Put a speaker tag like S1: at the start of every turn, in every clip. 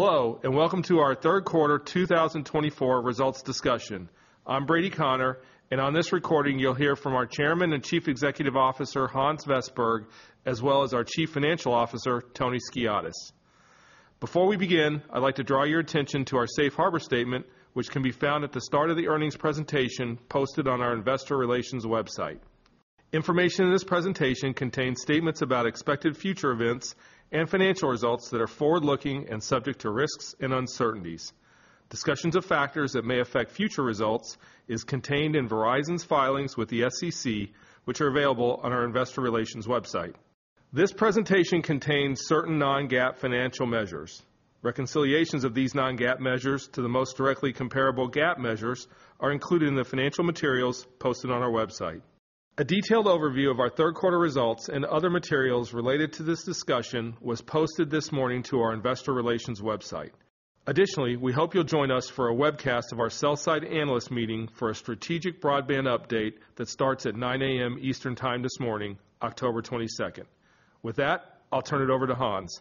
S1: Hello, and welcome to our third quarter 2024 results discussion. I'm Brady Connor, and on this recording, you'll hear from our Chairman and Chief Executive Officer, Hans Vestberg, as well as our Chief Financial Officer, Tony Skiadas. Before we begin, I'd like to draw your attention to our Safe Harbor statement, which can be found at the start of the earnings presentation posted on our investor relations website. Information in this presentation contains statements about expected future events and financial results that are forward-looking and subject to risks and uncertainties. Discussions of factors that may affect future results is contained in Verizon's filings with the SEC, which are available on our investor relations website. This presentation contains certain non-GAAP financial measures. Reconciliations of these non-GAAP measures to the most directly comparable GAAP measures are included in the financial materials posted on our website. A detailed overview of our third quarter results and other materials related to this discussion was posted this morning to our investor relations website. Additionally, we hope you'll join us for a webcast of our sell-side analyst meeting for a strategic broadband update that starts at 9:00 A.M. Eastern Time this morning, October twenty-second. With that, I'll turn it over to Hans.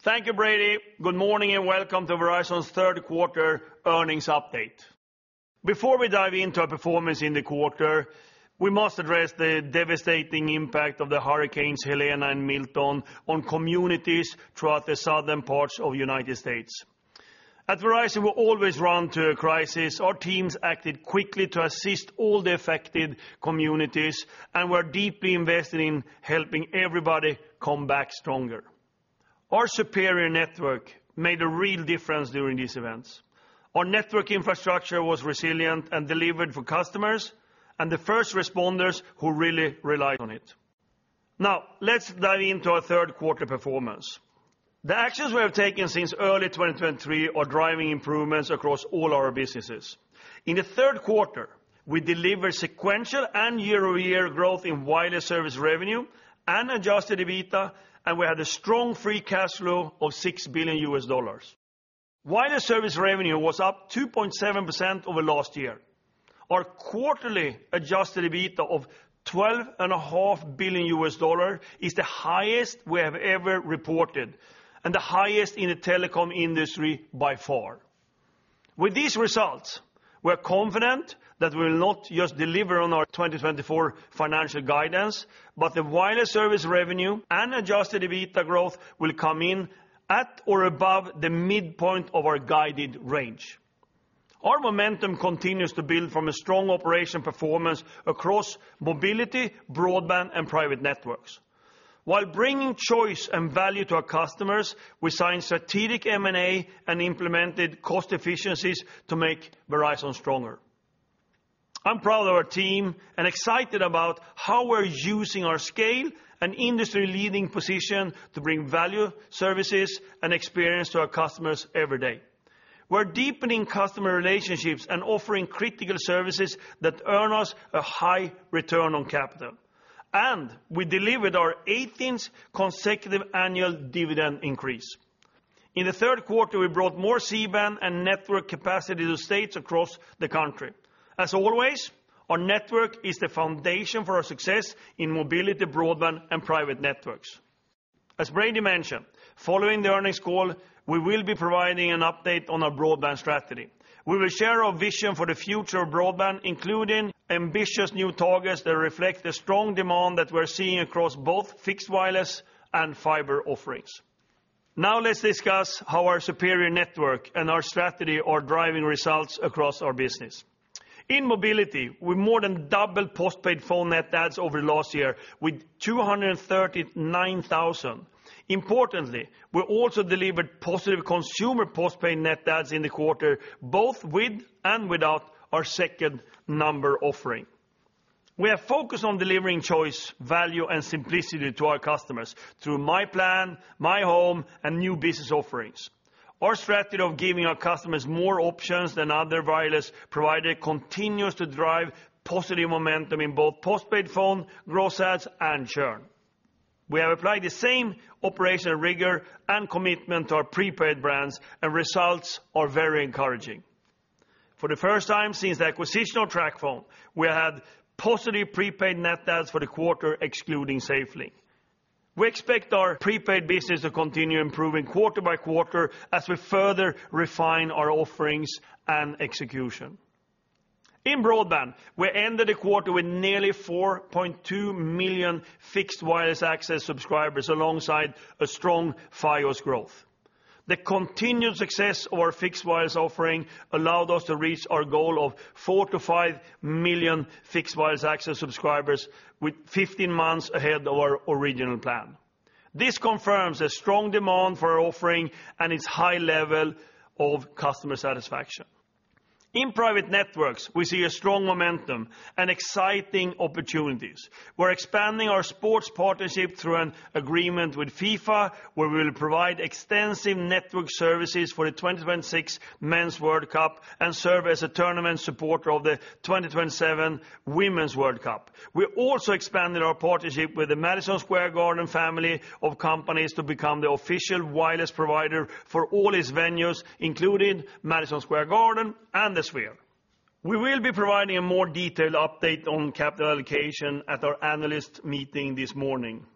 S2: Thank you, Brady. Good morning, and welcome to Verizon's third quarter earnings update. Before we dive into our performance in the quarter, we must address the devastating impact of the hurricanes Helene and Milton on communities throughout the southern parts of the United States. At Verizon, we always run to a crisis. Our teams acted quickly to assist all the affected communities, and we're deeply invested in helping everybody come back stronger. Our superior network made a real difference during these events. Our network infrastructure was resilient and delivered for customers and the first responders who really relied on it. Now, let's dive into our third quarter performance. The actions we have taken since early 2023 are driving improvements across all our businesses. In the third quarter, we delivered sequential and year-over-year growth in wireless service revenue and Adjusted EBITDA, and we had a strong Free Cash Flow of $6 billion. Wireless service revenue was up 2.7% over last year. Our quarterly Adjusted EBITDA of $12.5 billion is the highest we have ever reported and the highest in the telecom industry by far. With these results, we're confident that we'll not just deliver on our 2024 financial guidance, but the wireless service revenue and Adjusted EBITDA growth will come in at or above the midpoint of our guided range. Our momentum continues to build from a strong operational performance across mobility, broadband, and private networks. While bringing choice and value to our customers, we signed strategic M&A and implemented cost efficiencies to make Verizon stronger. I'm proud of our team and excited about how we're using our scale and industry-leading position to bring value, services, and experience to our customers every day. We're deepening customer relationships and offering critical services that earn us a high return on capital, and we delivered our eighteenth consecutive annual dividend increase. In the third quarter, we brought more C-band and network capacity to states across the country. As always, our network is the foundation for our success in mobility, broadband, and private networks. As Brady mentioned, following the earnings call, we will be providing an update on our broadband strategy. We will share our vision for the future of broadband, including ambitious new targets that reflect the strong demand that we're seeing across both fixed, wireless, and fiber offerings. Now, let's discuss how our superior network and our strategy are driving results across our business. In mobility, we more than doubled postpaid phone net adds over last year with two hundred and thirty-nine thousand. Importantly, we also delivered positive consumer postpaid net adds in the quarter, both with and without our second number offering. We are focused on delivering choice, value, and simplicity to our customers through myPlan, myHome, and new business offerings. Our strategy of giving our customers more options than other wireless provider continues to drive positive momentum in both postpaid phone, gross adds, and churn. We have applied the same operational rigor and commitment to our prepaid brands, and results are very encouraging. For the first time since the acquisition of TracFone, we had positive prepaid net adds for the quarter, excluding SafeLink. We expect our prepaid business to continue improving quarter by quarter as we further refine our offerings and execution. In broadband, we ended the quarter with nearly 4.2 million fixed wireless access subscribers, alongside a strong Fios growth. The continued success of our fixed wireless offering allowed us to reach our goal of 4-5 million fixed wireless access subscribers with 15 months ahead of our original plan. This confirms a strong demand for our offering and its high level of customer satisfaction. In private networks, we see a strong momentum and exciting opportunities. We're expanding our sports partnership through an agreement with FIFA, where we will provide extensive network services for the 2026 Men's World Cup and serve as a tournament supporter of the 2027 Women's World Cup. We're also expanding our partnership with the Madison Square Garden family of companies to become the official wireless provider for all its venues, including Madison Square Garden and The Sphere.... We will be providing a more detailed update on capital allocation at our analyst meeting this morning.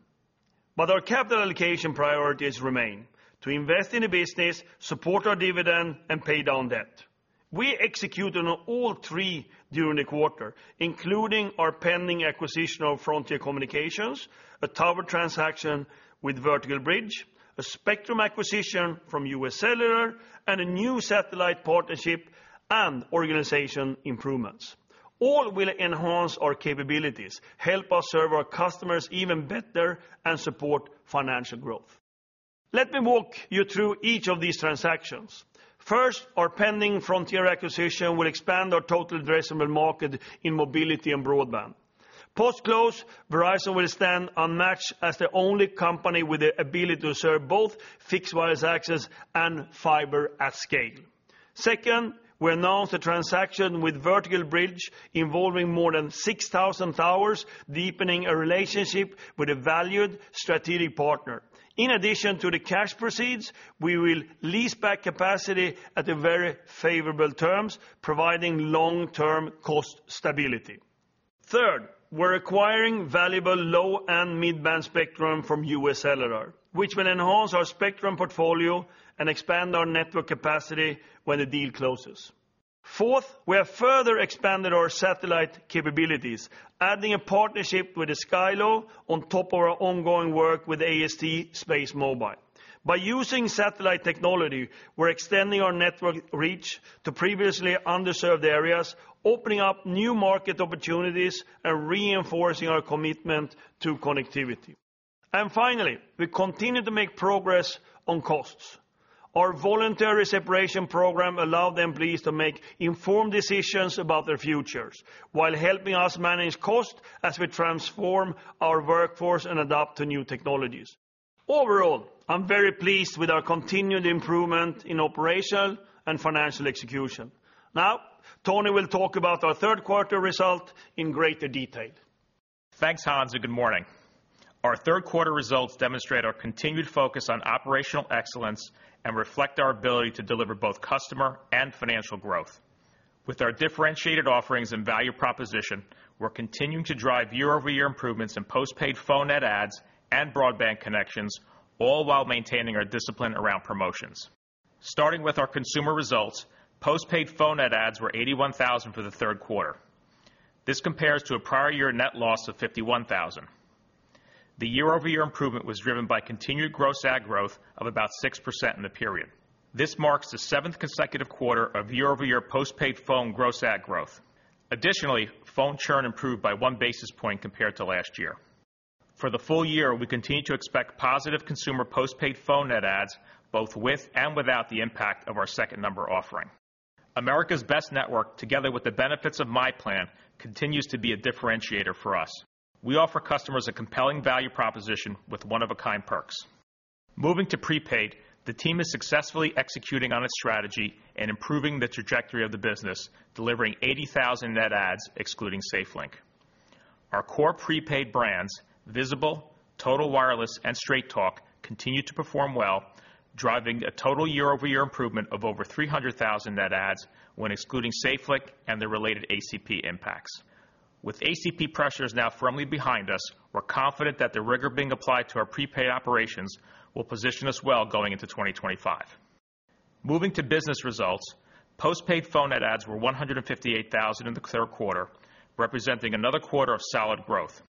S2: But our capital allocation priorities remain: to invest in the business, support our dividend, and pay down debt. We execute on all three during the quarter, including our pending acquisition of Frontier Communications, a tower transaction with Vertical Bridge, a spectrum acquisition from U.S. Cellular, and a new satellite partnership and organization improvements. All will enhance our capabilities, help us serve our customers even better, and support financial growth. Let me walk you through each of these transactions. First, our pending Frontier acquisition will expand our total addressable market in mobility and broadband. Post-close, Verizon will stand unmatched as the only company with the ability to serve both Fixed Wireless Access and fiber at scale. Second, we announced a transaction with Vertical Bridge, involving more than 6,000 towers, deepening a relationship with a valued strategic partner. In addition to the cash proceeds, we will lease back capacity on very favorable terms, providing long-term cost stability. Third, we're acquiring valuable low and mid-band spectrum from US Cellular, which will enhance our spectrum portfolio and expand our network capacity when the deal closes. Fourth, we have further expanded our satellite capabilities, adding a partnership with the Skylo on top of our ongoing work with AST SpaceMobile. By using satellite technology, we're extending our network reach to previously underserved areas, opening up new market opportunities and reinforcing our commitment to connectivity. Finally, we continue to make progress on costs. Our voluntary separation program allowed employees to make informed decisions about their futures while helping us manage costs as we transform our workforce and adapt to new technologies. Overall, I'm very pleased with our continued improvement in operational and financial execution. Now, Tony will talk about our third quarter result in greater detail.
S3: Thanks, Hans, and good morning. Our third quarter results demonstrate our continued focus on operational excellence and reflect our ability to deliver both customer and financial growth. With our differentiated offerings and value proposition, we're continuing to drive year-over-year improvements in postpaid phone net adds and broadband connections, all while maintaining our discipline around promotions. Starting with our consumer results, postpaid phone net adds were 81,000 for the third quarter. This compares to a prior year net loss of 51,000. The year-over-year improvement was driven by continued gross add growth of about 6% in the period. This marks the seventh consecutive quarter of year-over-year postpaid phone gross add growth. Additionally, phone churn improved by one basis point compared to last year. For the full year, we continue to expect positive consumer postpaid phone net adds, both with and without the impact of our second number offering. America's best network, together with the benefits of myPlan, continues to be a differentiator for us. We offer customers a compelling value proposition with one-of-a-kind perks. Moving to prepaid, the team is successfully executing on its strategy and improving the trajectory of the business, delivering 80,000 net adds, excluding SafeLink. Our core prepaid brands, Visible, Total Wireless, and Straight Talk, continue to perform well, driving a total year-over-year improvement of over 300,000 net adds when excluding SafeLink and the related ACP impacts. With ACP pressures now firmly behind us, we're confident that the rigor being applied to our prepaid operations will position us well going into twenty twenty-five. Moving to business results, postpaid phone net adds were 158,000 in the third quarter, representing another quarter of solid growth.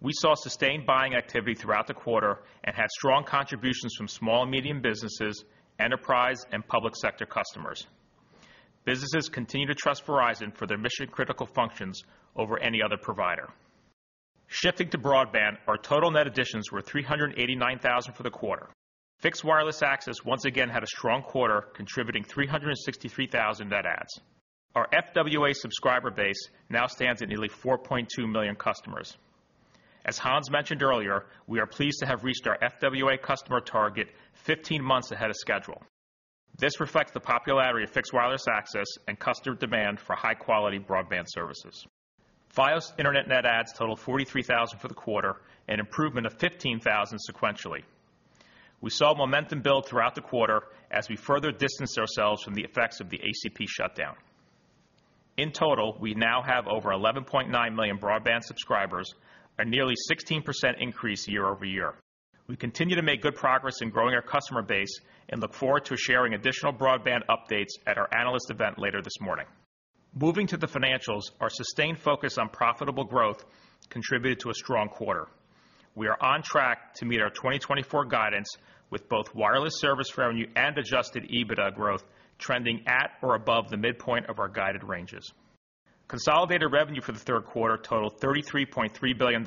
S3: We saw sustained buying activity throughout the quarter and had strong contributions from small and medium businesses, enterprise, and public sector customers. Businesses continue to trust Verizon for their mission-critical functions over any other provider. Shifting to broadband, our total net additions were 389,000 for the quarter. Fixed wireless access once again had a strong quarter, contributing 363,000 net adds. Our FWA subscriber base now stands at nearly 4.2 million customers. As Hans mentioned earlier, we are pleased to have reached our FWA customer target 15 months ahead of schedule. This reflects the popularity of fixed wireless access and customer demand for high-quality broadband services. Fios Internet net adds totaled 43,000 for the quarter, an improvement of 15,000 sequentially. We saw momentum build throughout the quarter as we further distanced ourselves from the effects of the ACP shutdown. In total, we now have over 11.9 million broadband subscribers, a nearly 16% increase year over year. We continue to make good progress in growing our customer base and look forward to sharing additional broadband updates at our analyst event later this morning. Moving to the financials, our sustained focus on profitable growth contributed to a strong quarter. We are on track to meet our 2024 guidance, with both wireless service revenue and Adjusted EBITDA growth trending at or above the midpoint of our guided ranges. Consolidated revenue for the third quarter totaled $33.3 billion,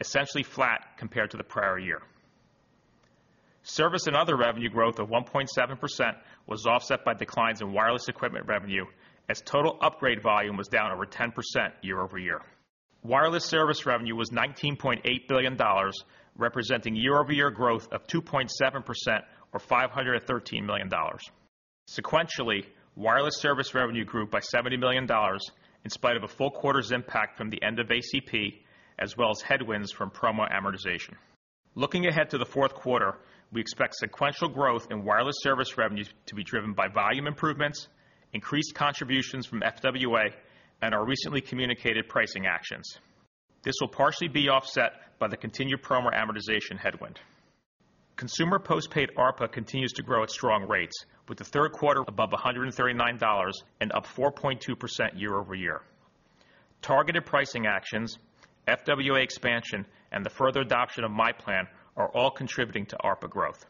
S3: essentially flat compared to the prior year. Service and other revenue growth of 1.7% was offset by declines in wireless equipment revenue, as total upgrade volume was down over 10% year over year. Wireless service revenue was $19.8 billion, representing year-over-year growth of 2.7%, or $513 million. Sequentially, wireless service revenue grew by $70 million, in spite of a full quarter's impact from the end of ACP, as well as headwinds from promo amortization. Looking ahead to the fourth quarter, we expect sequential growth in wireless service revenue to be driven by volume improvements, increased contributions from FWA, and our recently communicated pricing actions. This will partially be offset by the continued promo amortization headwind. Consumer postpaid ARPA continues to grow at strong rates, with the third quarter above $139 and up 4.2% year-over-year. Targeted pricing actions, FWA expansion, and the further adoption of myPlan are all contributing to ARPA growth.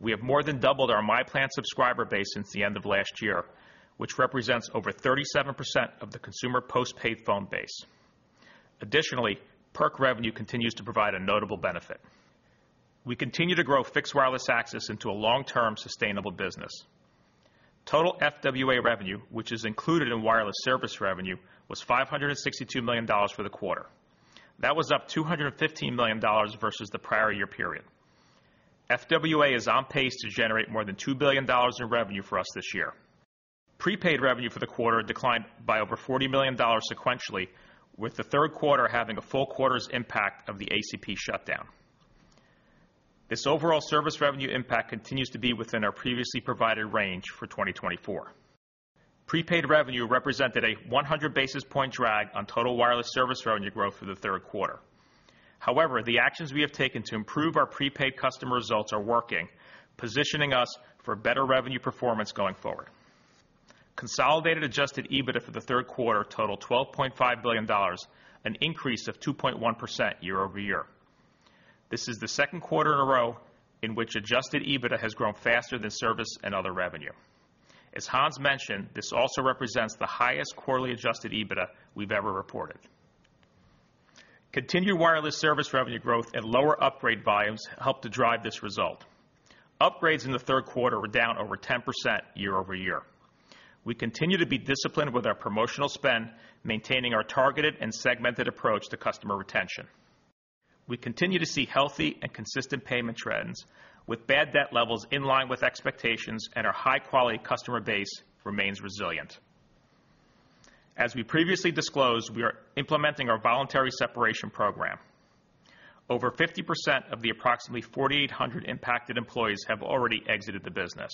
S3: We have more than doubled our myPlan subscriber base since the end of last year, which represents over 37% of the consumer postpaid phone base. Additionally, perk revenue continues to provide a notable benefit. We continue to grow fixed wireless access into a long-term, sustainable business. Total FWA revenue, which is included in wireless service revenue, was $562 million for the quarter. That was up $215 million versus the prior year period. FWA is on pace to generate more than $2 billion in revenue for us this year. Prepaid revenue for the quarter declined by over $40 million sequentially, with the third quarter having a full quarter's impact of the ACP shutdown. This overall service revenue impact continues to be within our previously provided range for 2024. Prepaid revenue represented a 100 basis points drag on total wireless service revenue growth for the third quarter. However, the actions we have taken to improve our prepaid customer results are working, positioning us for better revenue performance going forward. Consolidated adjusted EBITDA for the third quarter totaled $12.5 billion, an increase of 2.1% year-over-year. This is the second quarter in a row in which adjusted EBITDA has grown faster than service and other revenue. As Hans mentioned, this also represents the highest quarterly adjusted EBITDA we've ever reported. Continued wireless service revenue growth and lower upgrade volumes helped to drive this result. Upgrades in the third quarter were down over 10% year-over-year. We continue to be disciplined with our promotional spend, maintaining our targeted and segmented approach to customer retention. We continue to see healthy and consistent payment trends with bad debt levels in line with expectations, and our high-quality customer base remains resilient. As we previously disclosed, we are implementing our voluntary separation program. Over 50% of the approximately 4,800 impacted employees have already exited the business.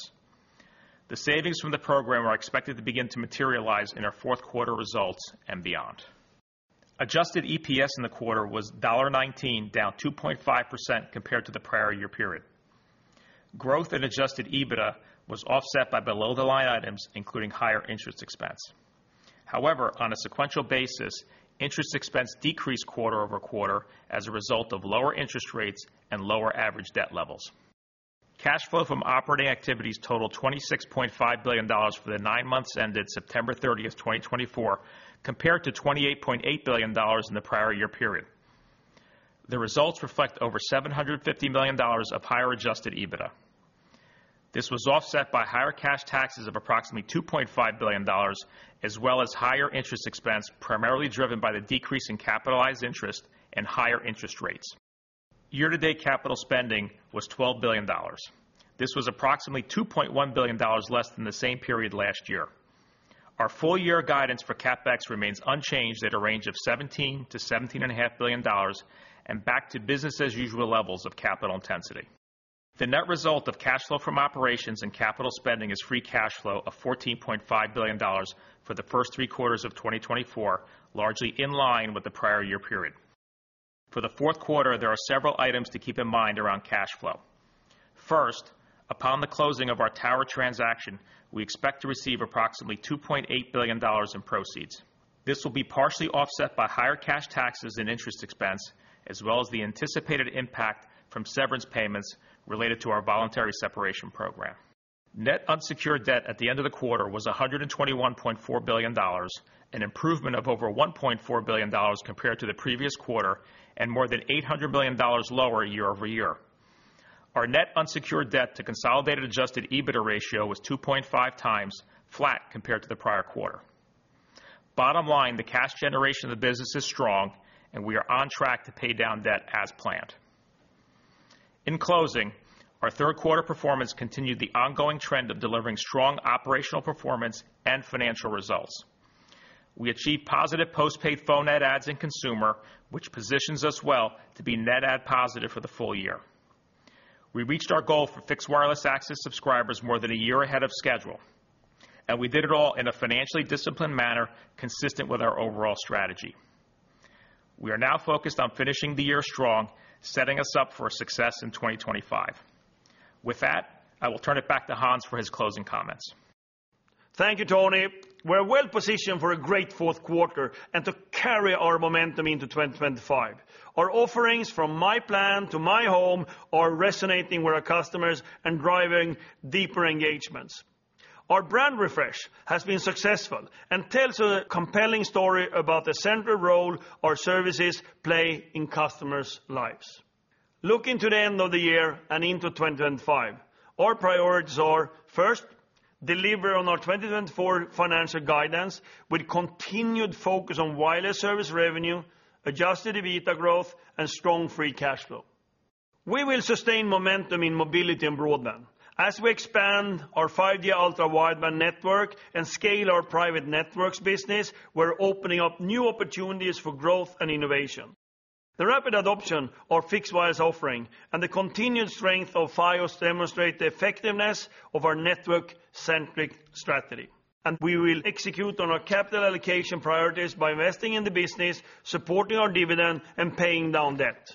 S3: The savings from the program are expected to begin to materialize in our fourth quarter results and beyond. Adjusted EPS in the quarter was $0.19, down 2.5% compared to the prior year period. Growth in Adjusted EBITDA was offset by below-the-line items, including higher interest expense. However, on a sequential basis, interest expense decreased quarter over quarter as a result of lower interest rates and lower average debt levels. Cash flow from operating activities totaled $26.5 billion for the nine months ended September thirtieth, 2024, compared to $28.8 billion in the prior year period. The results reflect over $750 million of higher Adjusted EBITDA. This was offset by higher cash taxes of approximately $2.5 billion, as well as higher interest expense, primarily driven by the decrease in capitalized interest and higher interest rates. Year-to-date capital spending was $12 billion. This was approximately $2.1 billion less than the same period last year. Our full year guidance for CapEx remains unchanged at a range of $17 billion-$17.5 billion and back to business-as-usual levels of capital intensity. The net result of cash flow from operations and capital spending is Free Cash Flow of $14.5 billion for the first three quarters of 2024, largely in line with the prior year period. For the fourth quarter, there are several items to keep in mind around cash flow. First, upon the closing of our tower transaction, we expect to receive approximately $2.8 billion in proceeds. This will be partially offset by higher cash taxes and interest expense, as well as the anticipated impact from severance payments related to our voluntary separation program. Net unsecured debt at the end of the quarter was $121.4 billion, an improvement of over $1.4 billion compared to the previous quarter and more than $800 billion lower year-over-year. Our net unsecured debt to consolidated adjusted EBITDA ratio was 2.5 times, flat compared to the prior quarter. Bottom line, the cash generation of the business is strong, and we are on track to pay down debt as planned. In closing, our third quarter performance continued the ongoing trend of delivering strong operational performance and financial results. We achieved positive postpaid phone net adds in consumer, which positions us well to be net add positive for the full year. We reached our goal for fixed wireless access subscribers more than a year ahead of schedule, and we did it all in a financially disciplined manner, consistent with our overall strategy. We are now focused on finishing the year strong, setting us up for success in 2025. With that, I will turn it back to Hans for his closing comments.
S2: Thank you, Tony. We're well positioned for a great fourth quarter and to carry our momentum into twenty twenty-five. Our offerings from myPlan to myHome are resonating with our customers and driving deeper engagements. Our brand refresh has been successful and tells a compelling story about the central role our services play in customers' lives. Looking to the end of the year and into twenty twenty-five, our priorities are, first, deliver on our twenty twenty-four financial guidance with continued focus on wireless service revenue, Adjusted EBITDA growth, and strong Free Cash Flow. We will sustain momentum in mobility and broadband. As we expand our five-year ultra-wideband network and scale our private networks business, we're opening up new opportunities for growth and innovation. The rapid adoption of our fixed wireless offering and the continued strength of Fios demonstrate the effectiveness of our network-centric strategy, and we will execute on our capital allocation priorities by investing in the business, supporting our dividend, and paying down debt.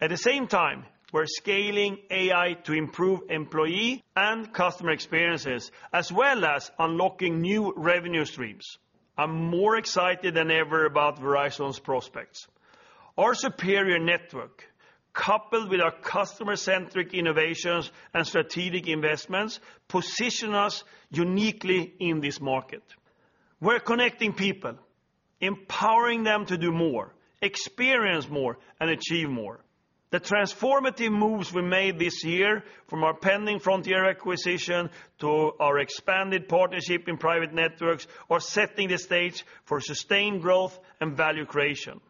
S2: At the same time, we're scaling AI to improve employee and customer experiences, as well as unlocking new revenue streams. I'm more excited than ever about Verizon's prospects. Our superior network, coupled with our customer-centric innovations and strategic investments, position us uniquely in this market. We're connecting people, empowering them to do more, experience more, and achieve more. The transformative moves we made this year, from our pending Frontier acquisition to our expanded partnership in private networks, are setting the stage for sustained growth and value creation.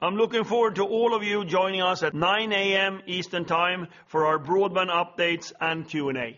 S2: I'm looking forward to all of you joining us at 9:00 A.M. Eastern Time for our broadband updates and Q&A.